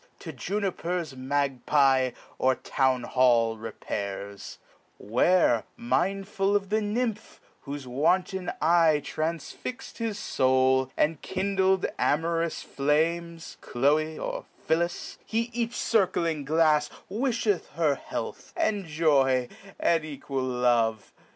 To Juniper's Magpye, or Town Hall * repairs : Where, mindful of the nymph whofe wanton eye Tninsfix'd his foul, and kindled amorous flames, Chloe, or Phillis ; he each circling glafs Wifheth her health, and joy, and equal love.